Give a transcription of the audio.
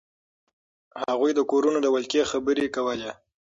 هغوی د کورونو د ولکې خبرې کولې.